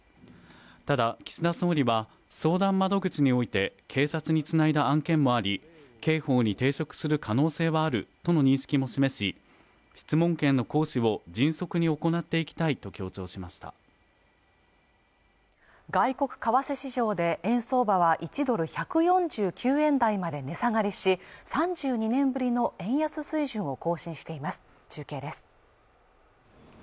ただ岸田総理は相談窓口において警察につないだ案件もあり刑法に抵触する可能性はあるとの認識も示し質問権の行使を迅速に行っていきたいと強調しました外国為替市場で円相場は１ドル＝１４９円台まで値下がりし３２年ぶりの円安水準を更新しています中継です